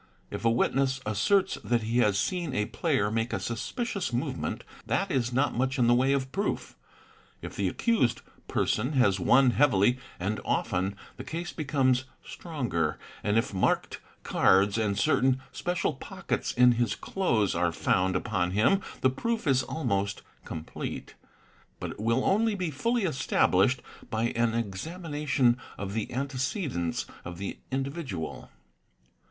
If a witness asserts that he has seen a player make a suspicious movement, that is not much in the way of proof. If the accused person has won heavily and often, the case becomes stronger, and if marked cards and certain special pockets in his clothes are found upon him the proof is almost complete; but it will only be fully established by an examination of the antecedents of the indi vidual.